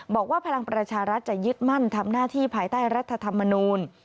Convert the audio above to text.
บอกว่าพลังประชารัฐจะยึดมั่นทำหน้าที่ภายใต้รัฐธรรมนูล